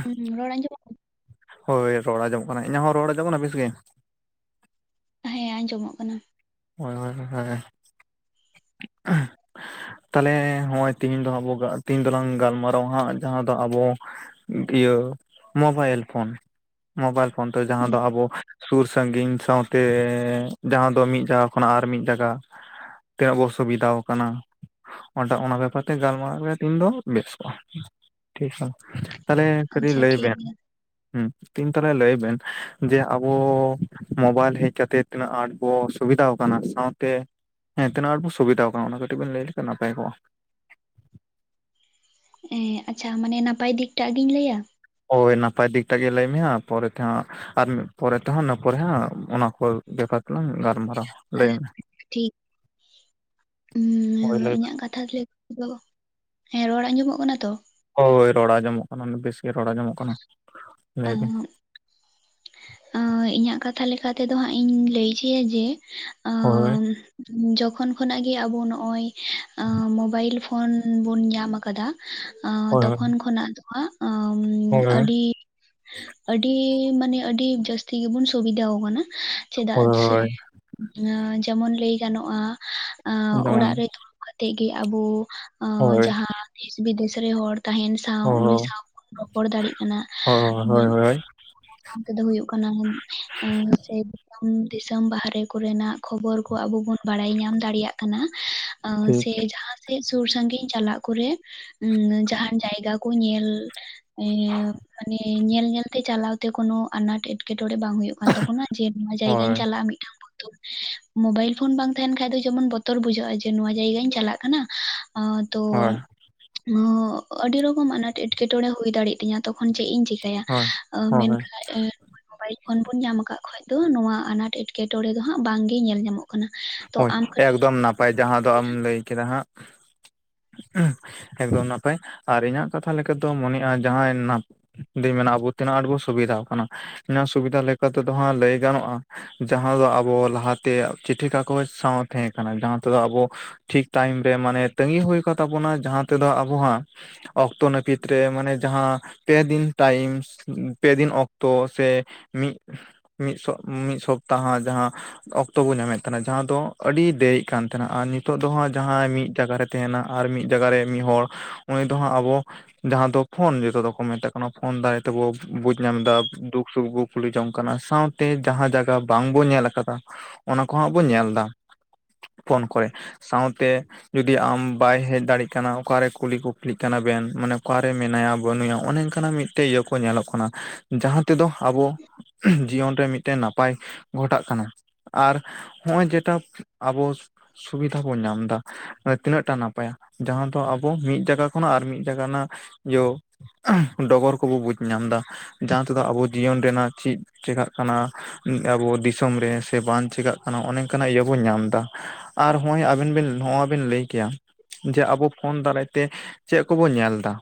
ᱦᱩᱸ ᱨᱚᱲ ᱟᱸᱡᱚᱢ [inaudible] ᱦᱳᱭ ᱨᱚᱲ ᱟᱸᱡᱚᱢᱚᱜ ᱠᱟᱱᱟ ᱤᱧᱟᱹᱜ ᱦᱚᱸ ᱨᱚᱲ ᱟᱡᱚᱢ ᱠᱟᱱᱟ ᱵᱮᱥ ᱜᱮ? ᱦᱮᱸ ᱟᱸᱡᱚᱢᱚᱜ ᱠᱟᱱᱟ ᱦᱚᱭ ᱦᱚᱭ ᱦᱚᱭ ᱦᱮᱸ [inaudible] ᱛᱟᱞᱮ ᱦᱚᱸᱜᱼᱚᱭ ᱛᱤᱦᱤᱧ ᱫᱚ ᱟᱵᱚ ᱛᱤᱦᱤᱧ ᱫᱚᱞᱟᱝ ᱜᱟᱞᱢᱟᱨᱟᱣᱟ ᱦᱟᱸᱜ ᱡᱟᱦᱟᱸ ᱫᱚ ᱟᱵᱚ ᱤᱭᱟᱹ ᱢᱳᱵᱟᱭᱤᱞ ᱯᱷᱳᱱ ᱢᱳᱵᱟᱭᱤᱞ ᱯᱷᱳᱱ ᱛᱮ ᱡᱟᱦᱟᱸ ᱦᱩᱸ ᱫᱚ ᱟᱵᱚ ᱥᱩᱨ ᱥᱟᱺᱜᱤᱧ ᱥᱟᱶᱛᱮ ᱡᱟᱦᱟᱸ ᱫᱚ ᱢᱤᱫ ᱡᱟᱭᱜᱟ ᱠᱷᱚᱱᱟᱜ ᱟᱨ ᱢᱤᱫ ᱡᱟᱭᱜᱟ ᱛᱤᱱᱟᱹᱜ ᱵᱚ ᱥᱩᱵᱤᱫᱟᱣ ᱠᱟᱱᱟ ᱚᱱᱴᱟᱜ ᱚᱱᱟ ᱵᱮᱯᱟᱨ ᱛᱮ ᱜᱟᱞᱢᱟᱨᱟᱣ ᱨᱮ ᱛᱤᱧ ᱫᱚ ᱵᱮᱥ ᱠᱚᱜᱼᱟ ᱴᱷᱤᱠ [inaudible] ᱛᱟᱦᱞᱮ ᱠᱟᱹᱴᱤᱡ ᱟᱪᱪᱷᱟ ᱞᱟᱹᱭ ᱴᱷᱤᱠ ᱵᱮᱱ ᱜᱮᱭᱟ ᱦᱩᱸ ᱛᱮᱦᱮᱧ ᱛᱟᱦᱚᱞᱮ ᱞᱟᱹᱭ ᱵᱮᱱ ᱡᱮ ᱟᱵᱚ ᱢᱳᱵᱟᱭᱤᱞ ᱦᱮᱡ ᱠᱟᱛᱮᱜ ᱛᱤᱱᱟᱹᱜ ᱟᱸᱴ ᱵᱚ ᱥᱩᱵᱤᱫᱟᱣ ᱠᱟᱱᱟ ᱥᱟᱶᱛᱮ ᱦᱮᱸ ᱛᱤᱱᱟᱹᱜ ᱟᱸᱴ ᱵᱚ ᱥᱩᱵᱤᱫᱣᱟ ᱠᱟᱱᱟ ᱚᱱᱟ ᱠᱟᱹᱴᱤᱡ ᱵᱮᱱ ᱞᱟᱹᱭ ᱞᱮᱠᱷᱟᱱ ᱱᱟᱯᱟᱭ ᱠᱚᱜᱼᱟ? ᱮᱸ ᱟᱪᱪᱷᱟ ᱢᱟᱱᱮ ᱱᱟᱯᱟᱭ ᱫᱤᱠᱴᱟᱜ ᱜᱤᱧ ᱞᱟᱹᱭᱟ? ᱦᱳᱭ ᱱᱟᱯᱟᱭ ᱫᱤᱠ ᱴᱟᱜ ᱜᱮ ᱞᱟᱹᱭ ᱢᱮ ᱦᱟᱸᱜ ᱯᱚᱨᱮ ᱛᱮ ᱦᱟᱸᱜ ᱟᱨ ᱢᱤᱫ ᱯᱚᱨᱮ ᱛᱮᱦᱚᱸ ᱤᱱᱟᱹ ᱯᱚᱨᱮ ᱦᱚ ᱚᱱᱟ ᱠᱚ ᱵᱮᱯᱟᱨ ᱛᱮᱞᱟᱝ ᱜᱟᱞᱢᱟᱨᱟᱣᱟ ᱞᱟᱹᱭ ᱦᱮᱸ ᱢᱮ ᱴᱷᱤᱠ [inaudible] ᱦᱚᱭ ᱞᱟᱹᱭ ᱢᱮ ᱛᱟᱦᱚᱞᱮ ᱫᱚ ᱦᱮᱸ ᱨᱚᱲ ᱟᱸᱡᱚᱢᱚᱜ ᱠᱟᱱᱟ ᱛᱚ ᱦᱳᱭ ᱨᱚᱲ ᱟᱸᱡᱚᱢᱚᱜ ᱠᱟᱱᱟ ᱵᱮᱥ ᱜᱮ ᱨᱚᱲ ᱟᱸᱡᱚᱢᱚᱜ ᱠᱟᱱᱟ ᱞᱟᱹᱭ ᱵᱤᱱ ᱮᱸ ᱤᱧᱟᱹᱜ ᱠᱟᱛᱷᱟ ᱞᱮᱠᱟ ᱛᱮᱫᱚ ᱦᱟᱸᱜ ᱤᱧ ᱞᱟᱹᱭ ᱦᱚᱪᱚᱭᱟ ᱡᱮ ᱦᱳᱭ ᱟᱸ ᱡᱚᱠᱷᱚᱱ ᱠᱷᱚᱱᱟᱜ ᱜᱮ ᱟᱵᱚ ᱱᱚᱜ-ᱚᱭ ᱢᱳᱵᱟᱭᱤᱞ ᱯᱷᱳᱱ ᱠᱷᱚᱱ ᱵᱚᱱ ᱧᱟᱢ ᱟᱠᱟᱫᱟ ᱦᱳᱭ ᱛᱚᱠᱷᱚᱱ ᱠᱷᱚᱱᱟᱜ ᱫᱚ ᱦᱟᱸᱜ ᱦᱳᱭ ᱟᱹᱰᱤ ᱟᱹᱰᱤ ᱢᱟᱱᱮ ᱟᱹᱰᱤ ᱡᱟᱹᱥᱛᱤ ᱜᱮᱵᱚᱱ ᱥᱩᱵᱤᱫᱷᱟᱣ ᱠᱟᱱᱟ ᱪᱮᱫᱟᱜ ᱥᱮ ᱦᱳᱭ ᱡᱮᱢᱚᱱ ᱞᱟᱹᱭ ᱜᱟᱱᱚᱜ-ᱟ ᱡᱮᱢᱚᱱ ᱚᱲᱟᱜ ᱨᱮ ᱫᱚ ᱠᱟᱛᱮ ᱜᱮ ᱟᱵᱚ ᱦᱳᱭ ᱡᱟᱦᱟᱸ ᱫᱮᱥ ᱵᱤᱫᱮᱥ ᱨᱮ ᱦᱚᱲ ᱛᱟᱦᱮᱱ ᱥᱟᱶ ᱩᱱᱤ ᱦᱳᱭ ᱥᱟᱶ ᱵᱚᱱ ᱨᱚᱯᱚᱲ ᱫᱟᱲᱮᱜ ᱠᱟᱱᱟ ᱦᱳᱭ ᱦᱳᱭ ᱢᱤᱫ ᱦᱳᱭ ᱥᱟᱶ ᱛᱮᱫᱚ ᱦᱩᱭᱩᱜ ᱠᱟᱱᱟ ᱥᱮ ᱫᱤᱥᱚᱢ ᱵᱟᱦᱨᱮ ᱠᱚᱨᱮᱱᱟᱜ ᱠᱷᱚᱵᱚᱨ ᱠᱚ ᱟᱵᱚ ᱵᱚᱱ ᱵᱟᱲᱟᱭ ᱧᱟᱢ ᱫᱟᱲᱮᱭᱟᱜ ᱠᱟᱱᱟ ᱴᱷᱤᱠ ᱥᱮ ᱡᱟᱦᱟᱸ ᱥᱮᱫ ᱥᱩᱨ ᱥᱟᱺᱜᱤᱧ ᱪᱟᱞᱟᱜ ᱠᱚᱨᱮ ᱩᱸ ᱡᱟᱦᱟᱱ ᱡᱟᱭᱜᱟ ᱠᱚ ᱧᱮᱞ ᱮᱸ ᱢᱟᱱᱮ ᱧᱮᱞ ᱧᱮᱞᱛᱮ ᱪᱟᱞᱟᱣᱛᱮ ᱠᱚᱱᱚ ᱟᱱᱟᱴ ᱮᱴᱠᱮᱴᱚᱬᱮ ᱵᱟᱝ ᱦᱩᱭᱩᱜ ᱠᱟᱱ ᱛᱟᱵᱚᱱᱟ ᱡᱮ ᱱᱚᱣᱟ ᱡᱟᱭᱜᱟᱧ ᱦᱳᱭ ᱪᱟᱞᱟᱜ-ᱟ ᱢᱤᱫᱴᱟᱝ ᱵᱚᱛᱚᱨ ᱢᱚᱵᱟᱭᱤᱞ ᱯᱷᱳᱱ ᱵᱟᱝ ᱛᱟᱦᱮᱱ ᱠᱷᱟᱡ ᱫᱚ ᱡᱮᱢᱚᱱ ᱵᱚᱛᱚᱨ ᱵᱩᱡᱷᱟᱹᱜ-ᱟ ᱡᱮ ᱱᱚᱣᱟ ᱡᱟᱭᱜᱟᱧ ᱪᱟᱞᱟᱜ ᱠᱟᱱᱟ ᱟᱫ ᱛᱚ ᱦᱳᱭ ᱟᱹᱰᱤ ᱨᱚᱠᱚᱢ ᱟᱱᱟᱴ ᱮᱴᱠᱮᱴᱚᱬᱮ ᱦᱩᱭ ᱫᱟᱲᱮᱭᱟᱜ ᱛᱤᱧᱟᱹ ᱛᱚᱠᱷᱚᱱ ᱪᱮᱫ ᱤᱧ ᱪᱤᱠᱟᱹ ᱮᱭᱟ ᱦᱳᱭ ᱦᱳᱭ ᱢᱮᱱᱠᱷᱟᱡ ᱮ ᱢᱳᱵᱟᱭᱤᱞ ᱯᱷᱳᱱ ᱵᱚᱱ ᱧᱟᱢ ᱟᱠᱟᱜ ᱠᱷᱟᱡ ᱫᱚ ᱱᱚᱣᱟ ᱟᱱᱟᱴ ᱮᱴᱠᱮᱴᱚᱬᱮ ᱫᱚ ᱦᱟᱸᱜ ᱵᱟᱝ ᱜᱮ ᱧᱮᱞ ᱧᱟᱢᱚᱜ ᱠᱟᱱᱟ ᱛᱚ ᱦᱳᱭ ᱟᱢ ᱠᱟᱹᱴᱤᱡ ᱮᱠᱫᱚᱢ ᱱᱟᱯᱟᱭ ᱡᱟᱦᱟᱸ ᱫᱚ ᱟᱢ ᱞᱟᱹᱭ ᱠᱮᱫᱟ ᱦᱟᱸᱜ ᱩᱸ ᱮᱠᱫᱚᱢ ᱱᱟᱯᱟᱭ ᱟᱨ ᱤᱧᱟᱹᱜ ᱠᱟᱛᱷᱟ ᱞᱮᱠᱟ ᱫᱚ ᱢᱚᱱᱮᱜ-ᱟ ᱡᱟᱦᱟᱸᱭ ᱱᱟ ᱫᱚᱧ ᱢᱮᱱᱟ ᱟᱵᱚ ᱛᱤᱱᱟᱹᱜ ᱟᱸᱴ ᱵᱚ ᱥᱩᱵᱤᱫᱷᱟ ᱟᱠᱟᱱᱟ ᱚᱱᱟ ᱥᱩᱵᱤᱫᱷᱟ ᱞᱮᱠᱟ ᱛᱮᱫᱚ ᱦᱟᱸᱜ ᱞᱟᱹᱭ ᱜᱟᱱᱚᱜ-ᱟ ᱡᱟᱦᱟᱸ ᱫᱚ ᱟᱵᱚ ᱞᱟᱦᱟᱛᱮ ᱪᱤᱴᱷᱤ ᱠᱟ ᱠᱚ ᱥᱟᱶ ᱛᱟᱦᱮᱸ ᱠᱟᱱᱟ ᱡᱟᱦᱟᱸ ᱛᱮᱫᱚ ᱟᱵᱚ ᱴᱷᱤᱠ ᱴᱟᱭᱤᱢ ᱨᱮ ᱢᱟᱱᱮ ᱛᱟᱹᱜᱤ ᱦᱩᱭ ᱠᱚ ᱛᱟᱵᱚᱱᱟ ᱡᱟᱦᱟᱸ ᱛᱮᱫᱚ ᱟᱵᱚ ᱦᱟᱸᱜ ᱚᱠᱛᱚ ᱱᱟᱹᱯᱤᱛ ᱨᱮ ᱢᱟᱱᱮ ᱡᱟᱦᱟᱸ ᱯᱮ ᱫᱤᱱ ᱴᱟᱭᱤᱢ ᱯᱮ ᱫᱤᱱ ᱚᱠᱛᱚ ᱥᱮ ᱢᱤᱫ ᱢᱤᱫ ᱥᱚ ᱢᱤᱫ ᱥᱚᱯᱛᱟᱦᱚ ᱡᱟᱦᱟᱸ ᱚᱠᱛᱚ ᱵᱚ ᱧᱟᱢᱮᱫ ᱛᱟᱦᱮᱱᱟ ᱡᱟᱦᱟᱸ ᱫᱚ ᱟᱹᱰᱤ ᱫᱮᱨᱤᱜ ᱠᱟᱱ ᱛᱟᱦᱮᱱᱟ ᱟᱨ ᱱᱤᱛᱚᱜ ᱫᱚ ᱦᱟᱜ ᱡᱟᱦᱟᱸᱭ ᱢᱤᱫ ᱡᱟᱭᱜᱟ ᱨᱮ ᱛᱟᱦᱮᱱᱟ ᱟᱨ ᱢᱤᱫ ᱡᱟᱭᱜᱟ ᱨᱮ ᱢᱤᱫ ᱦᱚᱲ ᱩᱱᱤ ᱫᱚ ᱦᱟᱸᱜ ᱟᱵᱚ ᱡᱟᱦᱟᱸ ᱫᱚ ᱯᱷᱳᱱ ᱡᱚᱛᱚ ᱫᱚᱠᱚ ᱢᱮᱛᱟᱜ ᱠᱟᱱᱟ ᱯᱷᱳᱱ ᱫᱟᱨᱟᱭ ᱛᱮᱵᱚ ᱵᱩᱡ ᱧᱟᱢᱮᱫᱟ ᱫᱩᱠ ᱥᱩᱠ ᱵᱩᱠ ᱠᱩᱞᱤ ᱡᱚᱝ ᱠᱟᱱᱟ ᱥᱟᱶᱛᱮ ᱡᱟᱦᱟᱸ ᱡᱟᱭᱜᱟ ᱵᱟᱝ ᱵᱚᱱ ᱧᱮᱞ ᱟᱠᱟᱫᱟ ᱚᱱᱟ ᱠᱚᱦᱟᱜ ᱵᱚᱱ ᱧᱮᱞ ᱮᱫᱟ ᱯᱷᱳᱱ ᱠᱚᱨᱮ ᱥᱟᱶᱛᱮ ᱡᱩᱫᱤ ᱟᱢ ᱵᱟᱭ ᱦᱮᱡ ᱫᱟᱲᱮᱜ ᱠᱟᱱᱟ ᱚᱠᱟᱨᱮ ᱠᱩᱞᱤ ᱠᱩᱯᱞᱤᱜ ᱠᱟᱱᱟ ᱠᱟᱱᱟ ᱚᱠᱟᱨᱮ ᱠᱩᱞᱤ ᱠᱤᱯᱞᱤᱜ ᱠᱟᱱᱟ ᱵᱤᱱ ᱢᱟᱱᱮ ᱚᱠᱟᱨᱮ ᱢᱮᱱᱟᱭᱟ ᱵᱟᱹᱱᱩᱭᱟ ᱚᱱᱮ ᱚᱱᱠᱟᱱᱟᱜ ᱢᱤᱫᱴᱮᱡ ᱤᱭᱟᱹ ᱠᱚ ᱧᱮᱞᱚᱜ ᱠᱟᱱᱟ ᱡᱟᱦᱟᱸ ᱛᱮᱫᱚ ᱟᱵᱚ ᱡᱤᱭᱚᱱ ᱨᱮ ᱢᱤᱫᱴᱮᱱ ᱱᱟᱯᱟᱭ ᱜᱷᱚᱴᱟᱜ ᱠᱟᱱᱟ ᱟᱨ ᱦᱚᱜ-ᱚᱭ ᱡᱮᱴᱟ ᱟᱵᱚ ᱥᱩᱵᱤᱫᱷᱟ ᱵᱚᱱ ᱧᱟᱢ ᱮᱫᱟ ᱛᱤᱱᱟᱹᱜ ᱴᱟ ᱱᱟᱯᱟᱭᱟ ᱡᱟᱦᱟᱸ ᱫᱚ ᱟᱵᱚ ᱢᱤᱫ ᱡᱟᱭᱜᱟ ᱠᱷᱚᱱᱟᱜ ᱟᱨ ᱢᱤᱫ ᱡᱟᱭᱜᱟ ᱨᱮᱱᱟᱜ ᱤᱭᱟᱹ ᱰᱚᱜᱚᱨ ᱠᱚᱵᱚ ᱵᱩᱡᱽ ᱧᱟᱢᱫᱟ ᱡᱟᱦᱟᱸ ᱛᱮᱫᱚ ᱟᱵᱚ ᱡᱤᱭᱚᱱ ᱨᱮᱱᱟᱜ ᱪᱮᱫ ᱪᱤᱠᱟᱜ ᱠᱟᱱᱟ ᱟᱵᱚ ᱫᱤᱥᱚᱢ ᱨᱮ ᱥᱮ ᱵᱟᱝ ᱪᱤᱠᱟᱜ ᱚᱱᱮ ᱱᱚᱝᱠᱟᱱᱟᱜ ᱤᱭᱟᱹ ᱵᱚᱱ ᱧᱟᱢ ᱮᱫᱟ ᱟᱨ ᱦᱚᱜᱚᱭ ᱟᱵᱤᱱ ᱵᱤᱱ ᱦᱚᱜᱚᱭ ᱵᱤᱱ ᱞᱟᱹᱭ ᱠᱮᱭᱟ ᱡᱮ ᱟᱵᱚ ᱯᱷᱳᱱ ᱫᱟᱨᱟᱭᱛᱮ ᱪᱮᱫ ᱠᱚᱵᱚᱱ ᱧᱮᱞ ᱮᱫᱟ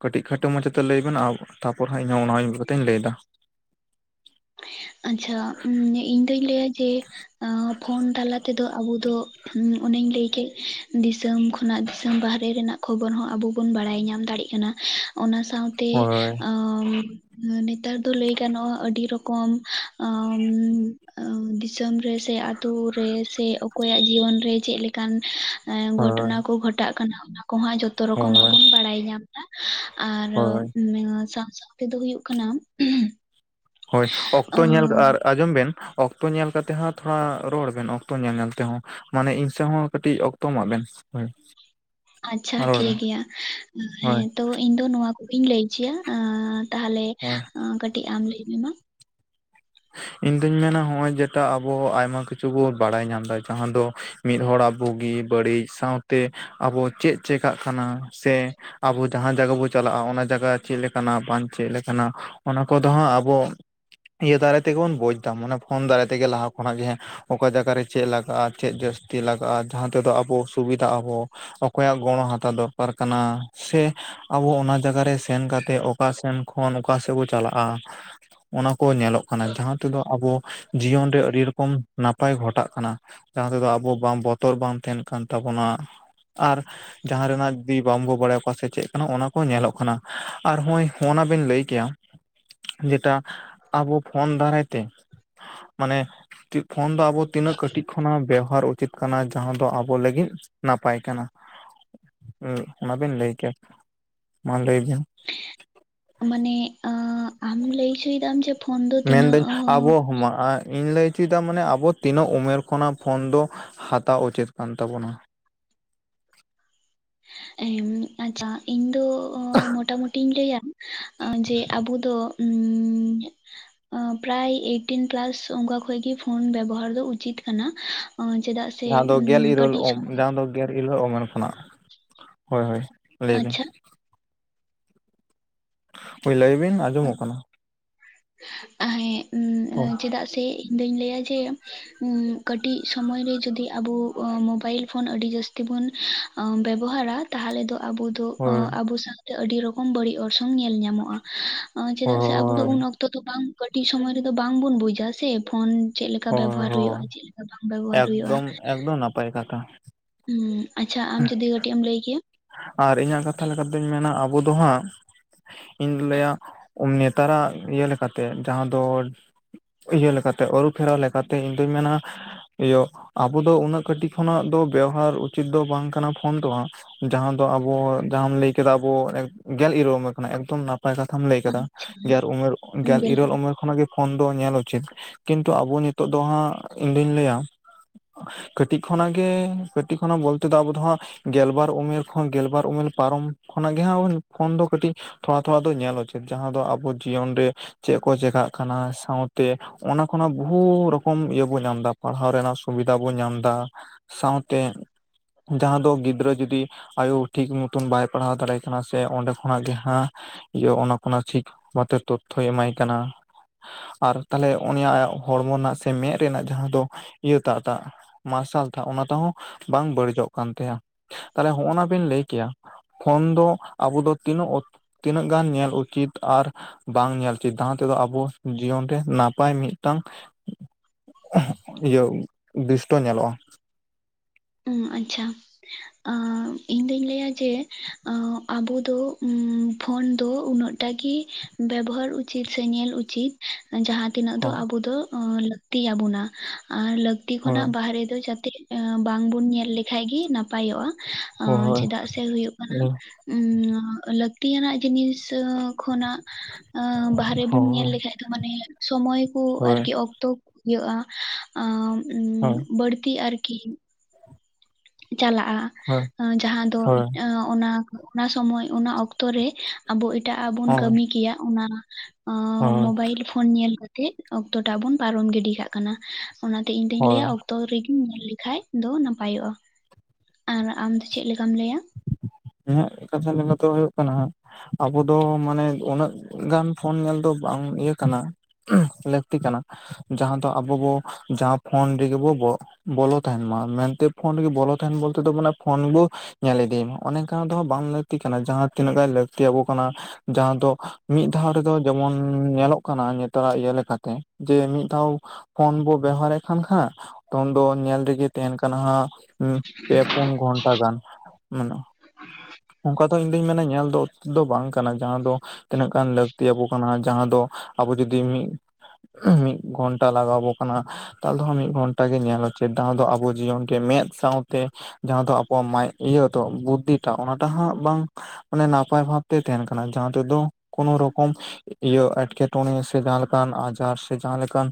ᱠᱟᱹᱴᱤᱡ ᱠᱷᱟᱴᱚ ᱢᱟᱪᱷᱟ ᱛᱮ ᱞᱟᱹᱭ ᱵᱮᱱ ᱟᱨ ᱛᱟᱯᱚᱨ ᱦᱟᱸᱜ ᱤᱧ ᱚᱱᱟ ᱤᱭᱟ ᱛᱮᱧ ᱞᱟᱹᱭ ᱮᱫᱟ ᱟᱪᱪᱷᱟ ᱤᱧᱫᱩᱧ ᱞᱟᱹᱭᱟ ᱡᱮ ᱯᱷᱳᱱ ᱛᱟᱞᱟ ᱛᱮᱫᱚ ᱟᱵᱚ ᱫᱚ ᱚᱱᱮᱧ ᱞᱟᱹᱭ ᱠᱮᱫ ᱫᱤᱥᱚᱢ ᱠᱷᱚ ᱠᱷᱚᱱᱟᱜ ᱫᱤᱥᱚᱢ ᱵᱟᱨᱦᱮ ᱨᱮᱱᱟᱜ ᱠᱷᱚᱵᱚᱨ ᱦᱚᱸ ᱟᱵᱚ ᱵᱚᱱ ᱵᱟᱲᱟᱭ ᱧᱟᱢ ᱫᱟᱲᱮᱜ ᱠᱟᱱᱟ ᱚᱱᱟ ᱥᱟ ᱥᱟᱶᱛᱮ ᱦᱳᱭ ᱱᱮᱛᱟᱨ ᱫᱚ ᱞᱟᱹᱭ ᱜᱟᱱᱚᱜ-ᱟ᱾ ᱟᱹᱰᱤ ᱨᱚᱠᱚᱢ [unintelligible] ᱟᱸ ᱫᱤᱥᱚᱢ ᱨᱮ ᱥᱮ ᱟᱹᱛᱩ ᱨᱮ ᱥᱮ ᱚᱠᱚᱭᱟᱜ ᱡᱤᱭᱚᱱ ᱨᱮ ᱪᱮᱫ ᱞᱮᱠᱟᱱ ᱮ ᱦᱳᱭ ᱜᱷᱚᱴᱚᱱᱟ ᱠᱚ ᱜᱷᱚᱴᱟᱜ ᱠᱟᱱᱟ ᱚᱱᱟ ᱠᱚᱦᱚᱸ ᱡᱷᱚᱛᱚ ᱨᱚᱠᱚᱢᱟᱜ ᱦᱳᱭ ᱵᱚᱱ ᱵᱟᱲᱟᱭ ᱧᱟᱢᱟ᱾ ᱟᱨ ᱦᱳᱭ ᱥᱟᱶ ᱥᱟᱶ ᱛᱮᱫᱚ ᱦᱩᱭᱩᱜ ᱠᱟᱱᱟ ᱦᱳᱭ ᱚᱠᱛᱚ ᱧᱮᱞ ᱟᱨ ᱟᱸ ᱟᱸᱡᱚᱢ ᱵᱮᱱ ᱚᱠᱛᱚ ᱧᱮᱞ ᱠᱟᱛᱮ ᱦᱚᱸ ᱛᱷᱚᱲᱟ ᱨᱚᱲ ᱵᱮᱱ᱾ ᱚᱠᱛᱚ ᱧᱮᱞ ᱧᱮᱞ ᱛᱮᱦᱚᱸ ᱢᱟᱱᱮ ᱤᱧ ᱥᱮᱫ ᱦᱚᱸ ᱠᱟᱹᱴᱤᱡ ᱚᱠᱛᱚ ᱮᱢᱟᱜ ᱵᱮᱱ᱾ ᱦᱳᱭ ᱟᱪᱪᱷᱟ ᱨᱚᱲ ᱴᱷᱤᱠ ᱵᱮᱱ ᱜᱮᱭᱟ᱾ ᱦᱳᱭ ᱦᱮᱸ ᱛᱚ ᱤᱧ ᱫᱚ ᱱᱚᱣᱟ ᱠᱚᱜᱮᱧ ᱞᱟᱹᱭ ᱚᱪᱚᱭᱟ᱾ ᱛᱟᱦᱚᱞᱮ ᱦᱳᱭ ᱠᱟᱹᱴᱤᱡ ᱟᱢ ᱞᱟᱹᱭ ᱢᱮ ᱢᱟ? ᱤᱧ ᱫᱩᱧ ᱢᱮᱱᱟ ᱱᱚᱜᱼᱚᱭ ᱡᱮᱴᱟ ᱟᱵᱚ ᱟᱭᱢᱟ ᱠᱤᱪᱷᱩ ᱵᱚᱱ ᱵᱟᱲᱟᱭ ᱧᱟᱢ ᱮᱫᱟ᱾ ᱡᱟᱦᱟᱸ ᱫᱚ ᱢᱤᱫ ᱦᱚᱲᱟᱜ ᱵᱩᱜᱩ- ᱵᱟᱹᱲᱤᱡ ᱥᱟᱶᱛᱮ ᱟᱵᱚ ᱪᱮᱫ ᱪᱮᱠᱟᱜ ᱠᱟᱱᱟ ᱥᱮ ᱟᱵᱚ ᱡᱟᱦᱟᱸ ᱡᱟᱭᱜᱟ ᱵᱚᱱ ᱪᱟᱞᱟᱜᱼᱟ᱾ ᱚᱱᱟ ᱡᱟᱭᱜᱟ ᱪᱮᱫ ᱞᱮᱠᱟᱱᱟ ᱵᱟᱝ ᱪᱮᱫ ᱞᱮᱠᱟᱱᱟ, ᱚᱱᱟ ᱠᱚᱫᱚ ᱦᱟᱸᱜ ᱟᱵᱚ ᱤᱭᱟᱹ ᱫᱟᱨᱟᱭ ᱛᱮᱜᱮ ᱵᱚᱱ ᱵᱩᱡᱽ ᱮᱫᱟ᱾ ᱢᱟᱱᱮ ᱯᱷᱳᱱ ᱫᱟᱨᱟᱭ ᱛᱮᱜᱮ ᱞᱟᱦᱟ ᱠᱷᱚᱱᱟᱜ ᱜᱮ ᱚᱠᱟ ᱡᱟᱭᱜᱟᱨᱮ ᱪᱮᱫ ᱞᱟᱜᱟᱜᱼᱟ? ᱪᱮᱫ ᱡᱟᱹᱥᱛᱤ ᱞᱟᱜᱟᱜᱼᱟ? ᱡᱟᱦᱟᱸ ᱛᱮᱫᱚ ᱟᱵᱚ ᱥᱩᱵᱤᱫᱷᱟᱜ ᱟᱵᱚ᱾ ᱚᱠᱚᱭᱟᱜ ᱜᱚᱲᱚ ᱦᱟᱛᱟᱣ ᱫᱚᱨᱠᱟᱨ ᱠᱟᱱᱟ ᱥᱮ ᱟᱵᱚ ᱚᱱᱟ ᱡᱟᱭᱟᱨ ᱨᱮ ᱥᱮᱱ ᱠᱟᱛᱮᱫ ᱚᱠᱟ ᱥᱮᱱ ᱠᱷᱚᱱ ᱚᱠᱟᱥᱮᱫ ᱠᱚ ᱪᱟᱞᱟᱜᱼᱟ᱾ ᱚᱱᱟ ᱠᱚ ᱧᱮᱞᱚᱜ ᱠᱟᱱᱟ᱾ ᱡᱟᱦᱟᱸ ᱛᱮᱫᱚ ᱟᱵᱚ ᱡᱤᱭᱚᱱ ᱨᱮ ᱟᱹᱰᱤ ᱨᱚᱠᱚᱢ ᱱᱟᱯᱟᱭ ᱜᱷᱚᱴᱟᱜ ᱠᱟᱱᱟ᱾ ᱡᱟᱦᱟᱸ ᱛᱮᱫᱚ ᱟᱵᱚ ᱵᱟᱝ ᱵᱚᱛᱚᱨ ᱵᱟᱝ ᱛᱟᱦᱮᱱ ᱠᱟᱱ ᱛᱟᱵᱚᱱᱟ ᱟᱨ ᱡᱟᱦᱟᱸ ᱨᱮᱱᱟᱜ ᱡᱩᱫᱤ ᱵᱟᱢᱵᱚ ᱵᱟᱲᱟᱭ᱾ ᱚᱠᱟ ᱥᱮᱫ ᱪᱮᱫ ᱠᱟᱱᱟ? ᱚᱱᱟ ᱠᱚ ᱧᱮᱞᱚᱜ ᱠᱟᱱᱟ ᱟᱨ ᱦᱚᱸᱭ ᱱᱚᱣᱟ ᱵᱤᱱ ᱞᱟᱹᱭ ᱠᱮᱭᱟ ᱠᱮᱭ? ᱡᱮᱴᱟ ᱟᱵᱚ ᱯᱷᱳᱱ ᱫᱟᱨᱟᱭ ᱛᱮ, ᱢᱟᱱᱮ ᱯᱷᱳᱱ ᱫᱚ ᱟᱵᱚ ᱛᱤᱱᱟᱹᱜ ᱠᱟᱹᱴᱤᱡ ᱠᱷᱚᱱᱟᱜ ᱵᱮᱣᱦᱟᱨ ᱪᱮᱫ ᱠᱟᱱᱟ? ᱡᱟᱦᱟᱸ ᱫᱚ ᱟᱵᱚ ᱞᱟᱹᱜᱤᱫ ᱱᱟᱯᱟᱭ ᱠᱟᱱᱟ᱾ ᱩᱸ, ᱚᱱᱟ ᱵᱤᱱ ᱞᱟᱹᱭ ᱠᱮᱭᱟ, ᱢᱟ ᱞᱟᱹᱭ ᱵᱤᱱ? ᱢᱟᱱᱮ ᱟᱻ ᱟᱢ ᱞᱟᱹᱭ ᱡᱚᱭ ᱮᱫᱟᱢ᱾ ᱡᱮ ᱯᱷᱳᱱ ᱫᱚ ᱛᱤᱱᱟᱹᱜ ᱢᱮᱱᱫᱟᱹᱧ ᱟᱵᱚ, ᱟᱻᱧ ᱤᱧ ᱞᱟᱹᱭ ᱪᱮᱫᱟᱜ ᱢᱟᱱᱮ ᱟᱵᱚ ᱛᱤᱱᱟᱹᱜ ᱩᱢᱮᱨ ᱠᱷᱚᱱᱟᱜ ᱯᱷᱳᱱ ᱫᱚ ᱦᱟᱛᱟᱣ ᱩᱪᱤᱛ ᱠᱟᱱ ᱛᱟᱵᱚᱱᱟ? ᱮᱸ ᱟᱪᱪᱷᱟ ᱤᱧ ᱫᱚ ᱢᱳᱴᱟ-ᱢᱩᱴᱤᱧ ᱞᱟᱹᱭᱟ᱾ ᱡᱮ ᱟᱵᱚ ᱫᱚ ᱯᱨᱟᱭ ᱮᱭᱤᱴᱤᱱ ᱯᱞᱟᱥ ᱚᱱᱠᱟ ᱠᱷᱚᱱᱜᱮ ᱯᱷᱳᱱ ᱵᱮᱵᱚᱦᱟᱨ ᱫᱚ ᱩᱪᱤᱛ ᱠᱟᱱᱟ᱾ ᱪᱮᱫᱟᱜ? ᱥᱮ ᱡᱟᱦᱟᱸ ᱫᱚ ᱜᱮᱞ ᱤᱨᱟᱹᱞ ᱠᱟᱹᱴᱤᱡ ᱥᱚᱢᱚᱭ ᱡᱟᱦᱟᱸ ᱫᱚ ᱜᱮᱞ ᱤᱨᱟᱹᱞ ᱩᱢᱮᱨ ᱠᱷᱚᱱᱟᱜ᱾ ᱦᱳᱭ ᱦᱳᱭ ᱞᱟᱹᱭ ᱵᱤᱱ ᱟᱪᱪᱷᱟ ᱦᱳᱭ ᱞᱟᱹᱭ ᱵᱤᱱ ᱟᱸᱡᱚᱢᱚᱜ ᱠᱟᱱᱟ᱾ ᱟ ᱦᱳᱭ ᱦᱮᱸ ᱪᱮᱫᱟᱜ ᱥᱮ? ᱤᱧ ᱫᱩᱧ ᱞᱟᱹᱭᱟ ᱡᱮ ᱠᱟᱹᱴᱤᱡ ᱥᱚᱢᱚᱭ ᱨᱮ ᱡᱩᱫᱤ ᱟᱵᱚ ᱢᱚᱵᱟᱭᱤᱞ ᱯᱷᱳᱱ ᱟᱹᱰᱤ ᱡᱟᱹᱥᱛᱤ ᱛᱮᱵᱚᱱ ᱵᱮᱵᱚᱦᱟᱨᱟ ᱛᱟᱦᱚᱞᱮ ᱫᱚ ᱟᱵᱚ ᱛᱚ ᱦᱳᱭ ᱟᱵᱚ ᱥᱟᱶᱛᱮ ᱟᱹᱰᱤ ᱨᱚᱠᱚᱢ ᱵᱟᱹᱲᱤᱡ ᱚᱨᱥᱚᱝ ᱧᱮᱞ ᱧᱟᱢᱚᱜᱼᱟ᱾ ᱪᱮᱫᱟᱜ ᱥᱮ? ᱟᱵᱚ ᱫᱚ ᱦᱳᱭ ᱦᱳᱭ ᱩᱱ ᱚᱠᱛᱚ ᱛᱚ ᱵᱟᱝ ᱠᱟᱹᱴᱤᱡ ᱥᱚᱢᱚᱭ ᱨᱮᱫᱚ ᱵᱟᱝ ᱵᱚᱱ ᱵᱩᱡᱟ ᱥᱮ ᱯᱷᱳᱱ ᱪᱮᱫ ᱞᱮᱠᱟ ᱵᱮᱵᱚᱦᱟᱨ ᱦᱩᱭᱩᱜᱼᱟ? ᱦᱳᱭ ᱪᱮᱫ ᱞᱮᱠᱟ ᱵᱟᱝ ᱵᱮᱵᱚᱦᱟᱨ ᱦᱩᱭᱩᱜᱼᱟ? ᱮᱠᱫᱚᱢ ᱮᱠᱫᱚᱢ ᱱᱟᱯᱟᱭ ᱠᱟᱛᱷᱟ ᱦᱩᱸ ᱟᱪᱪᱷᱟ ᱟᱢ ᱡᱩᱫᱤ ᱠᱟᱹᱴᱤᱡ ᱮᱢ ᱞᱟᱹᱭ ᱠᱮᱭᱟ? ᱟᱨ ᱤᱧᱟᱹᱜ ᱠᱟᱛᱷᱟ ᱞᱮᱠᱟᱛᱤᱧ ᱢᱮᱱᱟ ᱟᱵᱚ ᱫᱚ ᱦᱟᱸᱜ ᱤᱧ ᱞᱟᱹᱭᱟ ᱱᱮᱛᱟᱨᱟᱜ ᱤᱭᱟᱹ ᱞᱮᱠᱟᱛᱮ ᱡᱟᱦᱟᱸ ᱫᱚ ᱤᱭᱟᱹ ᱞᱮᱠᱟᱛᱮ ᱟᱹᱨᱩ ᱯᱷᱮᱨᱟᱣ ᱞᱮᱠᱟᱛᱮ ᱤᱧᱫᱩᱧ ᱢᱮᱱᱟ᱾ ᱤᱭᱟᱹ ᱟᱵᱚ ᱫᱚ ᱩᱱᱟᱹᱜ ᱠᱟᱹᱴᱤᱡ ᱠᱷᱚᱱᱟᱜ ᱫᱚ ᱵᱮᱣᱦᱟᱨ ᱩᱪᱤᱛ ᱫᱚ ᱵᱟᱝ ᱠᱟᱱᱟ, ᱯᱷᱳᱱ ᱫᱚ ᱦᱚ᱾ ᱡᱟᱦᱟᱸ ᱫᱚ ᱟᱵᱚ ᱡᱟᱦᱟᱸ ᱞᱟᱹᱭ ᱠᱮᱫᱟ ᱟᱵᱚ ᱜᱮᱞ ᱤᱨᱟᱹᱞ ᱩᱢᱮᱨ ᱠᱷᱚᱱᱟᱜ ᱮᱠᱫᱚᱢ ᱱᱟᱯᱟᱭ ᱱᱟᱯᱟᱭ ᱠᱟᱛᱷᱟᱢ ᱞᱟᱹᱭ ᱟᱠᱟᱫᱟ᱾ ᱜᱮᱞ ᱩᱢᱮᱨ ᱜᱮᱞ ᱤᱨᱟᱹᱞ ᱩᱢᱮᱨ ᱠᱷᱚᱱᱟᱜ ᱜᱮ ᱯᱷᱳᱱ ᱫᱚ ᱧᱮᱞ ᱩᱪᱤᱛ᱾ ᱠᱤᱱᱛᱩ ᱟᱵᱚ ᱱᱤᱛᱚᱜ ᱫᱚ ᱦᱟᱸᱜ ᱤᱧᱫᱩᱧ ᱞᱟᱹᱭᱟ ᱠᱟᱹᱴᱤᱡ ᱠᱷᱚᱱᱟᱜ ᱜᱮ ᱠᱟᱹᱴᱤᱡ ᱠᱷᱚᱱᱟᱜ ᱵᱚᱞᱛᱮ ᱫᱚ ᱟᱵᱚ ᱫᱚᱦᱟᱸᱜ ᱜᱮᱞᱵᱟᱨ ᱩᱢᱮᱨ ᱠᱷᱚᱱ ᱜᱮᱞᱵᱟᱨ ᱩᱢᱮᱨ ᱯᱟᱨᱚᱢ ᱠᱷᱚᱱᱟᱜ ᱜᱮ ᱦᱟᱸᱜ ᱯᱷᱳᱱ ᱫᱚ ᱠᱟᱹᱴᱤᱡ ᱛᱷᱚᱲᱟ- ᱛᱷᱚᱲᱟ ᱫᱚ ᱧᱮᱞ ᱩᱪᱤᱛ᱾ ᱡᱟᱦᱟᱸ ᱫᱚ ᱟᱵᱚ ᱡᱤᱭᱚᱱ ᱨᱮ ᱪᱮᱫ ᱠᱚ ᱪᱮᱠᱟᱜ ᱠᱟᱱᱟ? ᱥᱟᱶᱛᱮ ᱚᱱᱟ ᱠᱷᱚᱱᱟᱜ ᱵᱚᱦᱩ ᱨᱚᱠᱚᱢ ᱤᱭᱟᱹ ᱵᱚᱱ ᱧᱟᱢ ᱮᱫᱟ᱾ ᱯᱟᱲᱦᱟᱣ ᱨᱮᱱᱟᱜ ᱥᱩᱵᱤᱫᱷᱟ ᱵᱚᱱ ᱧᱟᱢ ᱮᱫᱟ᱾ ᱥᱟᱶᱛᱮ ᱡᱟᱦᱟᱸ ᱫᱚ ᱜᱤᱫᱽᱨᱟᱹ ᱡᱩᱫᱤ ᱭᱩᱫᱤ ᱟᱭᱳ ᱴᱷᱤᱠ ᱢᱚᱛᱚᱱ ᱵᱟᱭ ᱯᱟᱲᱦᱟᱣ ᱫᱟᱲᱮᱟᱭ ᱠᱟᱱᱟ ᱥᱮ ᱚᱸᱰᱮ ᱠᱷᱚᱱᱟᱜ ᱜᱮ ᱦᱟᱸ ᱤᱭᱟᱹ ᱚᱱᱟ ᱚᱱᱟ ᱴᱷᱤᱠᱛᱮ ᱛᱚᱛᱛᱷᱚᱭ ᱮᱢᱟᱭ ᱠᱟᱱᱟ᱾ ᱟᱨ ᱛᱟᱦᱞᱮ ᱩᱱᱤᱭᱟᱜ ᱦᱚᱲᱢᱚ ᱨᱮᱱᱟᱜ ᱥᱮ ᱢᱮᱸᱫ ᱨᱮᱱᱟᱜ ᱡᱟᱦᱟᱸ ᱫᱚ ᱤᱭᱟᱹ ᱛᱟᱜᱴᱟᱜ ᱢᱟᱨᱥᱟᱞ ᱴᱟᱜ ᱚᱱᱟ ᱴᱟᱜᱦᱚᱸ ᱵᱟᱝ ᱵᱟᱹᱲᱤᱡᱚᱜ ᱠᱟᱱ ᱛᱟᱭᱟ᱾ ᱛᱟᱦᱞᱮ ᱦᱚᱜᱼ ᱱᱟ ᱵᱤᱱ ᱞᱟᱹᱭ ᱠᱮᱭᱟ᱾ ᱯᱷᱚᱱ ᱫᱚ ᱟᱵᱚ ᱫᱚ ᱛᱤᱱᱟᱹᱜ ᱚᱠᱛᱚ ᱛᱤᱱᱟᱹᱜ ᱜᱟᱱ ᱧᱮᱞ ᱩᱪᱤᱛ ᱟᱨ ᱵᱟᱝ ᱧᱮᱞ ᱩᱪᱤᱫ ᱡᱟᱦᱟᱸ ᱛᱮᱫᱚ ᱟᱵᱚ ᱡᱤᱭᱚᱱ ᱨᱮ ᱱᱟᱯᱟᱭ ᱢᱤᱫᱴᱟᱝ [unintelligible] [inaudible] [inaudible] ᱤᱭᱟᱹ ᱫᱤᱥᱴᱚ ᱧᱮᱞᱚᱜᱼᱟ ᱚ ᱟᱪᱪᱷᱟ ᱤᱧ ᱫᱩᱧ ᱞᱟᱹᱭᱟ ᱡᱮ ᱟᱵᱚ ᱫᱚ ᱯᱷᱳᱱ ᱫᱚ ᱩᱱᱟᱹᱜᱴᱟ ᱜᱮ ᱵᱮᱵᱚᱦᱟᱨ ᱩᱪᱤᱛ ᱥᱮ ᱧᱮᱞ ᱩᱪᱤᱛ ᱡᱟᱦᱟᱸᱛᱤᱱᱟᱹᱜ ᱫᱚ ᱦᱳᱭ ᱟᱵᱚ ᱫᱚ ᱞᱟᱹᱠᱛᱤ ᱭᱟᱵᱚᱱᱟ ᱟᱨ ᱞᱟᱜᱛᱤ ᱦᱳᱭ ᱠᱷᱚᱱᱟᱜ ᱵᱟᱦᱨᱮ ᱫᱚ ᱡᱟᱛᱮ ᱵᱟᱝ ᱵᱩᱱ ᱧᱮᱞ ᱞᱮᱠᱷᱟᱡ ᱜᱮ ᱱᱟᱯᱟᱭᱚᱜᱼᱟ ᱦᱳᱭ ᱪᱮᱫᱟᱜ ᱥᱮ ᱦᱳᱭᱳᱜ ᱠᱟᱱᱟ ᱦᱳᱭ ᱦᱩᱸ ᱞᱟᱹᱠᱛᱤ ᱭᱟᱱᱟᱜ ᱡᱤᱱᱤᱥ ᱠᱷᱚᱱᱟᱜ ᱵᱟᱦᱨᱮ ᱵᱚᱱ ᱧᱮᱞ ᱦᱳᱭ ᱞᱮᱠᱷᱟᱡ ᱫᱚ ᱢᱟᱱᱮ ᱥᱚᱢᱚᱭ ᱠᱚ ᱦᱳᱭ ᱟᱨᱠᱤ ᱚᱠᱛᱚ ᱤᱭᱟᱹᱜᱼᱟ ᱟ ᱦᱳᱭ ᱵᱟᱹᱲᱛᱤ ᱟᱨᱠᱤ ᱪᱟᱞᱟᱜᱼᱟ ᱡᱟᱦᱟᱸ ᱫᱚ ᱦᱳᱭ ᱤᱠ ᱚᱱᱟ ᱚᱱᱟ ᱥᱚᱢᱚᱭ ᱚᱱᱟ ᱚᱠᱛᱚ ᱨᱮ ᱟᱵᱚ ᱮᱴᱟᱜ ᱟᱜ ᱵᱚᱱ ᱦᱳᱭ ᱠᱟᱹᱢᱤ ᱠᱮᱭᱟ ᱚᱱᱟ ᱦᱳᱭ ᱢᱳᱵᱟᱭᱤᱞ ᱯᱷᱳᱱ ᱧᱮᱞ ᱠᱟᱛᱮᱜ ᱚᱠᱛᱚ ᱴᱟᱜ ᱵᱚᱱ ᱯᱟᱨᱚᱢ ᱜᱤᱰᱤ ᱠᱟᱜ ᱠᱟᱱᱟ ᱚᱱᱟᱛᱮ ᱤᱧ ᱫᱚᱧ ᱞᱟᱹᱭᱟ ᱦᱳᱭ ᱚᱠᱛᱚ ᱨᱮᱜᱮᱧ ᱧᱮᱞ ᱞᱮᱠᱷᱟᱡ ᱫᱚ ᱱᱟᱯᱟᱭᱚᱜᱼᱟ ᱟᱨ ᱟᱢᱫᱚ ᱪᱮᱫ ᱞᱮᱠᱟᱢ ᱞᱟᱹᱭᱟ ᱤᱧᱟᱜ ᱠᱟᱛᱷᱟ ᱞᱮᱠᱟᱛᱮ ᱦᱩᱭᱩᱜ ᱠᱟᱱᱟ ᱦᱟᱹ ᱟᱵᱚ ᱫᱚ ᱢᱟᱱᱮ ᱩᱱᱟᱹᱜ ᱜᱟᱱ ᱯᱷᱳᱱ ᱧᱮᱞ ᱫᱚ ᱵᱟᱝ ᱤᱭᱟᱹ ᱠᱟᱱᱟ ᱞᱟᱹᱠᱛᱤ ᱠᱟᱱᱟ ᱡᱟᱦᱟᱸ ᱫᱚ ᱟᱵᱚ ᱵᱚ ᱡᱟᱦᱟᱸ ᱯᱷᱳᱱ ᱨᱮᱜᱮ ᱵᱚ ᱵᱚᱞᱚ ᱛᱟᱦᱮᱱ ᱢᱟ ᱢᱮᱱᱛᱮ ᱯᱷᱳᱱᱜ ᱵᱚᱞᱚ ᱛᱟᱦᱮᱱ ᱵᱚᱞᱛᱮ ᱛᱚ ᱢᱮ ᱯᱷᱳᱱ ᱵᱚ ᱧᱮᱞ ᱤᱫᱤᱭ ᱢᱟ ᱚᱱᱮᱠᱟ ᱫᱚ ᱵᱟᱝ ᱞᱟᱹᱠᱛᱤ ᱠᱟᱱᱟ ᱡᱟᱦᱟᱸ ᱛᱤᱱᱟᱹᱜ ᱜᱟᱱ ᱞᱟᱹᱠᱛᱤᱭᱟᱵᱚ ᱠᱟᱱᱟ ᱡᱟᱦᱟᱸ ᱫᱚ ᱢᱤᱫ ᱫᱷᱟᱣ ᱨᱮᱫᱚ ᱡᱮᱢᱚᱱ ᱧᱮᱞᱚᱜ ᱠᱟᱱᱟ ᱱᱮᱛᱟᱨᱟᱜ ᱤᱭᱟᱹ ᱞᱮᱠᱟᱛᱮ ᱡᱮ ᱢᱤᱫ ᱫᱷᱟᱣ ᱯᱷᱳᱱ ᱵᱚ ᱵᱮᱣᱦᱟᱨᱮᱫ ᱠᱟᱱ ᱠᱷᱟᱡ ᱯᱷᱚᱱ ᱫᱚ ᱧᱮᱞ ᱨᱮᱜᱮ ᱛᱟᱦᱮᱱ ᱠᱟᱱᱟ ᱦᱟᱸᱜ ᱯᱮ ᱯᱳᱱ ᱜᱷᱚᱱᱴᱟ ᱜᱟᱱ ᱢᱟᱱᱮ ᱚᱠᱟ ᱫᱚ ᱤᱧ ᱫᱚᱧ ᱢᱮᱱᱟ ᱧᱮᱞ ᱫᱚ ᱩᱪᱤᱛ ᱫᱚ ᱵᱟᱝ ᱠᱟᱱᱟ ᱡᱟᱦᱟᱸ ᱫᱚ ᱛᱤᱱᱟᱹᱜ ᱜᱟᱱ ᱞᱟᱹᱠᱛᱤᱭᱟᱵᱚ ᱠᱟᱱᱟ ᱡᱟᱦᱟᱸ ᱫᱚ ᱟᱵᱚ ᱡᱩᱫᱤ ᱢᱤᱫ ᱢᱤᱫ ᱜᱷᱚᱱᱴᱟ ᱞᱟᱜᱟᱣ ᱟᱵᱚ ᱠᱟᱱᱟ ᱛᱟᱦᱞᱮ ᱦᱚᱸ ᱢᱤᱫ ᱜᱷᱚᱱᱴᱟ ᱜᱮ ᱧᱮᱞ ᱩᱪᱤᱛ ᱡᱟᱦᱟᱸ ᱫᱚ ᱟᱵᱚ ᱡᱤᱭᱚᱱ ᱨᱮ ᱢᱮᱫ ᱥᱟᱶᱛᱮ ᱡᱟᱦᱟᱸ ᱫᱚ ᱟᱵᱚᱣᱟᱜ ᱢᱟ ᱤᱭᱟᱹ ᱛᱚ ᱵᱩᱫᱽᱫᱷᱤᱴᱟ ᱚᱱᱟᱴᱟᱜ ᱦᱟᱸᱜ ᱵᱟᱝ ᱢᱟᱱᱮ ᱱᱟᱯᱟᱭ ᱵᱷᱟᱵᱛᱮᱭ ᱛᱟᱦᱮᱱ ᱠᱟᱱᱟ ᱡᱟᱦᱟᱸ ᱛᱮᱫᱚ ᱠᱳᱱᱳ ᱨᱚᱠᱚᱢ ᱤᱭᱟᱹ ᱮᱴᱠᱮᱴᱚᱬᱮ ᱥᱮ ᱡᱟᱦᱟᱸ ᱞᱮᱠᱟᱱ ᱟᱡᱟᱨ ᱥᱮ ᱡᱟᱦᱟᱸᱞᱮᱠᱟᱱ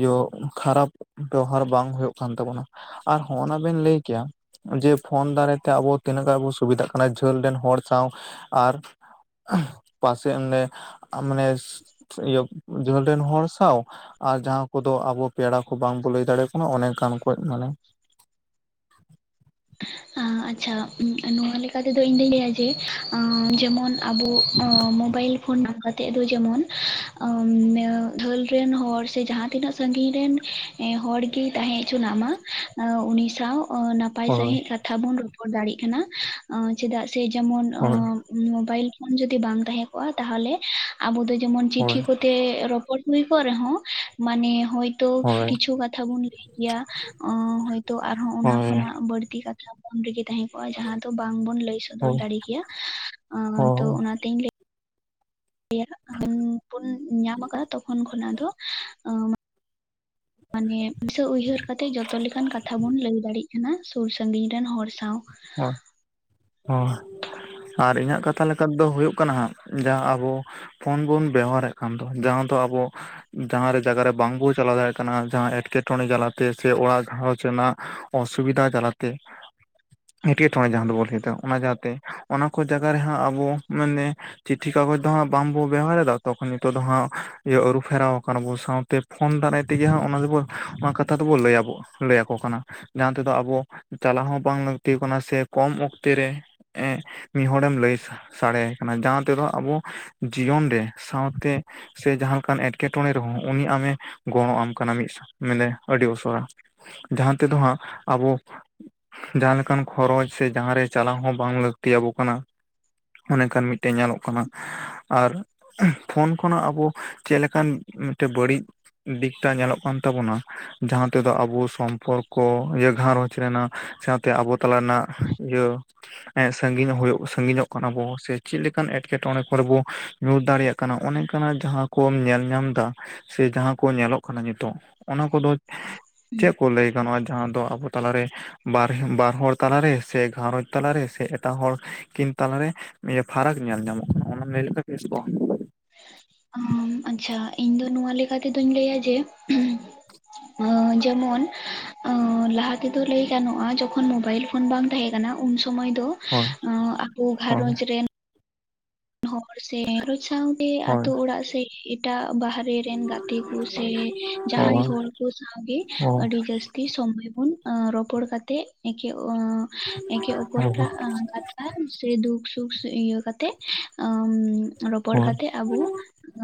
ᱡᱤᱭᱟᱹ ᱠᱷᱟᱨᱟᱵ ᱵᱮᱣᱦᱟᱨ ᱵᱟᱝ ᱦᱳᱭᱳᱜ ᱠᱟᱱ ᱛᱟᱵᱳᱱᱟ ᱟᱨ ᱦᱚᱸᱜ ᱱᱟ ᱵᱮᱱ ᱞᱟᱹᱭ ᱠᱮᱭᱟ ᱡᱮ ᱯᱷᱳᱱ ᱫᱟᱨᱮᱭ ᱛᱮ ᱟᱵᱚ ᱛᱤᱱᱟᱹᱜ ᱜᱟ ᱵᱚ ᱥᱩᱵᱤᱫᱷᱟᱜ ᱠᱟᱱᱟ ᱡᱷᱟᱹᱞ ᱨᱮᱱ ᱦᱚᱲ ᱥᱟᱶ ᱟᱨ ᱯᱟᱥᱮᱡ ᱚᱸᱰᱮ ᱢᱟᱱᱮ ᱤᱭᱟᱹ ᱡᱷᱟᱹᱞ ᱨᱮᱱ ᱦᱚᱲ ᱥᱟᱶ ᱟᱨ ᱡᱟᱦᱟᱸ ᱠᱚᱫᱚ ᱟᱵᱚ ᱯᱮᱲᱟ ᱠᱚ ᱵᱟᱝᱵᱚᱱ ᱞᱟᱹᱭ ᱫᱟᱲᱮ ᱚᱱᱮ ᱚᱱᱟᱠᱚ ᱢᱟᱱᱮ ᱟᱪᱪᱷᱟ ᱱᱚᱣᱟ ᱞᱮᱠᱟ ᱛᱮᱫᱚ ᱤᱧᱫᱩᱧ ᱞᱟᱹᱭᱟ ᱡᱮ ᱡᱮᱢᱚᱱ ᱟᱵᱚ ᱢᱳᱵᱟᱭᱤᱞ ᱯᱷᱳᱱ ᱱᱟᱢᱵᱟᱨ ᱛᱮᱫ ᱫᱚ ᱡᱮᱢᱚᱱ ᱡᱷᱟᱹᱞ ᱨᱮᱱ ᱦᱚᱲ ᱥᱮ ᱡᱟᱦᱟᱸ ᱛᱤᱱᱟᱹᱜ ᱥᱟᱹᱜᱤᱧ ᱨᱮᱱ ᱦᱚᱲ ᱜᱮᱭ ᱛᱟᱦᱮᱸ ᱦᱚᱪᱚᱱᱟᱜ ᱢᱟ ᱩᱱᱤ ᱥᱟᱶ ᱱᱟᱯᱟᱭ ᱱᱟᱯᱟᱭ ᱦᱳᱭ ᱥᱟᱺᱦᱤᱡ ᱠᱟᱛᱷᱟ ᱵᱚᱱ ᱨᱚᱯᱚᱲ ᱫᱟᱲᱮᱜ ᱠᱟᱱᱟ᱾ ᱪᱮᱫᱟᱜ ᱥᱮ? ᱡᱮᱢᱚᱱ ᱦᱳᱭ ᱢᱳᱵᱟᱭᱤᱞ ᱯᱷᱳᱱ ᱡᱩᱫᱤ ᱵᱟᱝ ᱛᱟᱦᱮᱸ ᱠᱚᱜᱼᱟ᱾ ᱛᱟᱦᱚᱞᱮ ᱟᱵᱚ ᱫᱚ ᱡᱮᱢᱚᱱ ᱪᱤᱴᱷᱤ ᱦᱳᱭ ᱠᱚ ᱛᱮ ᱨᱚᱯᱚᱲ ᱦᱩᱭ ᱠᱚᱜ ᱨᱮᱦᱚᱸ ᱢᱟᱱᱮ ᱦᱳᱭ ᱛᱚ ᱦᱳᱭ ᱠᱤᱪᱷᱩ ᱠᱟᱛᱷᱟ ᱵᱚᱱ ᱞᱟᱹᱭ ᱠᱮᱭᱟ᱾ ᱦᱚᱭᱛᱚ ᱟᱨᱦᱚᱸ ᱚᱱᱟ ᱦᱳᱭ ᱠᱷᱚᱱᱟᱜ ᱵᱟᱹᱲᱛᱤ ᱠᱟᱛᱷᱟ ᱚᱱ ᱨᱮᱜᱮ ᱛᱟᱦᱮᱸ ᱠᱚᱜᱼᱟ᱾ ᱡᱟᱦᱟᱸ ᱫᱚ ᱵᱟᱝᱵᱚᱱ ᱞᱟᱹᱭ ᱥᱚᱫᱚᱨ ᱦᱳᱭ ᱫᱟᱲᱮ ᱠᱮᱭᱟ᱾ ᱛᱚ ᱦᱳᱭ ᱚᱱᱟᱛᱤᱧ ᱞᱟᱹᱭ ᱤᱭᱟᱹ ᱯᱷᱩᱱ ᱧᱟᱢ ᱟᱠᱟᱫᱟ᱾ ᱛᱚ ᱠᱷᱚᱱ ᱠᱷᱚᱱᱟᱜ ᱫᱚ ᱢᱟᱱᱮ ᱫᱤᱥᱟᱹ ᱩᱭᱦᱟᱹᱨ ᱠᱟᱛᱮᱜ ᱡᱚᱛᱚ ᱞᱮᱠᱟᱱ ᱠᱟᱛᱷᱟ ᱵᱚᱱ ᱞᱟᱹᱭ ᱫᱟᱲᱮᱭᱟᱜ ᱠᱟᱱᱟ᱾ ᱥᱩᱨ ᱥᱟᱟᱹᱜᱤᱧ ᱨᱮᱱ ᱦᱚᱲ ᱥᱟᱶ᱾ [unintelligible] ᱟᱨ ᱤᱧᱟᱹᱜ ᱠᱟᱛᱷᱟ ᱞᱮᱠᱟ ᱛᱮ ᱫᱚ ᱦᱩᱭᱩᱜ ᱠᱟᱱᱟ᱾ ᱡᱮ ᱟᱵᱚ ᱯᱷᱳᱱ ᱵᱚᱱ ᱵᱮᱣᱦᱟᱨᱮᱫ ᱠᱟᱱ ᱫᱚ ᱡᱟᱦᱟᱸ ᱫᱚ ᱟᱵᱚ ᱡᱟᱸᱦᱟᱨᱮ ᱡᱟᱭᱜᱟ ᱨᱮ ᱵᱟᱝᱵᱚᱱ ᱪᱟᱞᱟᱣ ᱫᱟᱲᱮᱭᱟᱜ ᱠᱟᱱᱟ᱾ ᱡᱟᱦᱟᱸ ᱮᱸᱴᱠᱮᱴᱚᱬᱮ ᱡᱟᱞᱟᱛᱮ ᱥᱮ ᱚᱲᱟᱜ ᱜᱷᱟᱸᱨᱚᱡᱽ ᱨᱮᱱᱟᱜ ᱚᱥᱩᱵᱤᱫᱟ ᱡᱟᱞᱟᱛᱮ [unintelligible] ᱴᱚᱬᱮ ᱡᱟᱦᱟᱸ ᱫᱚᱵᱚᱱ ᱞᱟᱹᱭ ᱮᱫᱟ᱾ ᱚᱱᱟ ᱡᱟᱛᱮ ᱚᱱᱟ ᱠᱚ ᱡᱟᱭᱜᱟ ᱨᱮᱦᱚᱸ ᱟᱵᱚ ᱢᱟᱱᱮ ᱪᱤᱴᱷᱤ ᱠᱟᱜᱚᱡᱽ ᱫᱚ ᱦᱟᱸᱜ ᱵᱟᱝᱵᱚ ᱵᱮᱣᱦᱟᱨᱮᱫᱟ ᱾ᱛᱚᱠᱷᱚᱱ ᱱᱤᱛᱚᱜ ᱫᱚ ᱦᱟᱸᱜ ᱤᱭᱟᱹ ᱟᱹᱨᱩ ᱯᱷᱮᱨᱟᱣ ᱟᱠᱟᱱᱟ ᱵᱚᱱ᱾ ᱥᱟᱶᱛᱮ ᱯᱷᱳᱱ ᱫᱟᱨᱟᱭ ᱛᱮᱜᱮ ᱦᱟᱜ ᱚᱱᱟ ᱫᱚᱵᱚ ᱚᱱᱟ ᱠᱟᱛᱷᱟ ᱫᱚᱵᱚ ᱞᱟᱹᱭ ᱟᱵᱚ ᱞᱟᱹᱭ ᱟᱠᱚ ᱠᱟᱱᱟ᱾ ᱡᱟᱦᱟᱸ ᱛᱮᱫᱚ ᱟᱵᱚ ᱪᱟᱞᱟᱣ ᱦᱚᱸ ᱵᱟᱝ ᱞᱟᱹᱠᱛᱤ ᱠᱟᱱᱟ ᱥᱮ ᱠᱚᱢ ᱚᱠᱛᱮ ᱨᱮ ᱢᱤᱫ ᱦᱚᱲᱮᱢ ᱞᱟᱹᱭ ᱥᱮ ᱥᱟᱰᱮ ᱠᱟᱱᱟ ᱡᱟᱦᱟᱸ ᱛᱮᱫᱚ ᱟᱵᱚ ᱡᱤᱭᱚᱱ ᱨᱮ ᱥᱟᱶᱛᱮ ᱥᱮ ᱡᱟᱦᱟᱸ ᱞᱮᱠᱟᱱ ᱮᱸᱴᱠᱮᱴᱚᱬᱮ ᱨᱮᱦᱚᱸ ᱩᱱᱤ ᱟᱢᱮ ᱜᱚᱲᱚ ᱟᱢ ᱠᱟᱱᱟ᱾ ᱢᱤᱫᱥᱟᱶ ᱢᱮᱱᱮ ᱟᱹᱰᱤ ᱩᱥᱟᱹᱨᱟ᱾ ᱡᱟᱦᱟᱸ ᱛᱮᱫᱚ ᱦᱟᱸᱜ ᱟᱵᱚ ᱡᱟᱦᱟᱸ ᱞᱮᱠᱟ ᱚᱱᱠᱟᱱ ᱠᱷᱚᱨᱚᱪ ᱥᱮ ᱡᱟᱸ ᱨᱮ ᱪᱟᱞᱟᱜ ᱦᱚᱸ ᱵᱟᱝ ᱞᱟᱹᱠᱛᱤ ᱟᱵᱚᱱ ᱠᱟᱱᱟ᱾ ᱚᱱᱮᱠᱷᱟᱱ ᱢᱤᱫᱴᱮᱡ ᱧᱮᱞᱚᱜ ᱠᱟᱱᱟ ᱟᱨ ᱯᱷᱳᱱ ᱠᱷᱚᱱᱟᱜ ᱟᱵᱚ ᱪᱮᱫ ᱞᱮᱠᱟᱱ ᱢᱤᱫᱴᱮᱱ ᱵᱟᱹᱲᱤᱡ ᱫᱤᱜᱴᱟ ᱧᱮᱞᱚᱜ ᱠᱟᱱ ᱛᱟᱵᱚᱱᱟ᱾ ᱡᱟᱦᱟᱸ ᱛᱮᱫᱚ ᱟᱵᱚ ᱥᱚᱢᱯᱚᱨᱠᱚ ᱤᱭᱟᱹ ᱜᱷᱟᱸᱨᱚᱡᱽ ᱨᱮᱱᱟᱜ ᱛᱮ ᱟᱵᱚ ᱛᱟᱞᱟ ᱨᱮᱱᱟᱜ ᱤᱭᱟᱹ ᱦᱮᱸ ᱥᱟᱺᱜᱤᱧᱚᱜ ᱦᱩᱭᱩᱜ ᱥᱟᱺᱜᱤᱧᱚᱜ ᱠᱟᱱᱟ ᱵᱚ ᱥᱮ ᱪᱮᱫ ᱞᱮᱠᱟᱱ ᱮᱸᱴᱠᱮᱴᱚᱬᱮ ᱠᱚᱨᱮ ᱵᱚ ᱧᱩᱨ ᱫᱟᱲᱮᱭᱟᱜ ᱚᱱᱮ ᱚᱱᱠᱟᱱ ᱡᱟᱦᱟᱸ ᱠᱚᱢ ᱧᱮᱞ ᱧᱟᱢ ᱮᱫᱟ ᱥᱮ ᱡᱟᱦᱟᱸ ᱠᱚ ᱧᱮᱞᱚᱜ ᱱᱤᱛᱚᱜ ᱚᱱᱟ ᱠᱚᱫᱚ ᱪᱮᱫ ᱠᱚ ᱞᱟᱹᱭ ᱜᱟᱱᱚᱜ-ᱟ? ᱡᱟᱦᱟᱸ ᱫᱚ ᱟᱵᱚ ᱛᱟᱞᱟᱨᱮ ᱵᱟᱨ ᱵᱟᱨ ᱦᱚᱲ ᱛᱟᱞᱟᱨᱮ ᱥᱮ ᱜᱷᱟᱨᱚᱸᱡᱽ ᱛᱟᱞᱟᱨᱮ ᱥᱮ ᱮᱴᱟᱜ ᱦᱚᱲ ᱠᱤᱱ ᱛᱟᱞᱟᱨᱮ ᱯᱷᱟᱨᱟᱠ ᱧᱮᱞ ᱧᱟᱢᱚᱜ ᱠᱟᱱᱟ ᱚᱱᱟ ᱞᱟᱹᱭ ᱞᱮᱠᱷᱟᱜ ᱵᱮᱥ ᱠᱚᱜᱼᱟ᱾ ᱟᱪᱪᱷᱟ ᱤᱧ ᱫᱚ ᱱᱚᱣᱟ ᱞᱮᱠᱟ ᱛᱮᱫᱚᱧ ᱞᱟᱹᱭᱟ᱾ ᱡᱮ ᱡᱮᱢᱚᱱ ᱞᱟᱦᱟ ᱛᱮᱫᱚ ᱞᱟᱹᱭ ᱜᱟᱱᱚᱜᱼᱟ᱾ ᱡᱚᱠᱷᱚᱱ ᱢᱳᱵᱟᱭᱤᱞ ᱯᱷᱳᱱ ᱵᱟᱝ ᱛᱟᱦᱮᱸ ᱠᱟᱱᱟ᱾ ᱩᱱ ᱥᱚᱢᱚᱭ ᱩᱱ ᱥᱚᱢᱚᱭ ᱫᱚ ᱦᱳᱭ ᱟᱠᱚ ᱦᱳᱭ ᱜᱷᱟᱨᱚᱸᱡᱽ ᱨᱮᱱ ᱦᱚᱲ ᱥᱮ ᱜᱷᱟᱨᱚᱸᱡᱽ ᱥᱟᱶᱛᱮ ᱦᱳᱭ ᱟᱛᱳ ᱚᱲᱟᱜ ᱥᱮ ᱮᱴᱟᱜ ᱵᱟᱦᱮᱨ ᱟᱡ ᱨᱮᱱ ᱜᱟᱛᱮ ᱠᱚ ᱥᱮ ᱡᱟᱦᱟᱸᱭ ᱦᱳᱭ ᱦᱚᱲ ᱠᱚ ᱥᱟᱶ ᱜᱮ ᱟᱹᱰᱤ ᱡᱟᱹᱥᱛᱤ [unintelligible] ᱥᱚᱢᱚᱭ ᱵᱚᱱ ᱨᱚᱯᱚᱲ ᱠᱟᱛᱮᱫ ᱮᱠᱮ ᱚᱸᱻᱮᱠᱮ ᱦᱳᱭ ᱚᱯᱚᱨᱟᱜ ᱥᱮ ᱫᱩᱠ ᱥᱩᱠ ᱤᱭᱟᱹ ᱠᱟᱛᱮᱜ ᱨᱚᱯᱚᱲ ᱦᱳᱭ ᱠᱟᱛᱮᱜ ᱟᱵᱚ